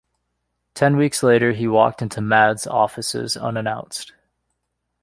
Ten weeks later, he walked into "Mad"'s offices unannounced.